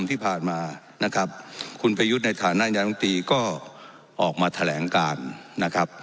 ที่ผ่านมานะครับคุณประยุทธ์ในฐานะยามตีก็ออกมาแถลงการนะครับ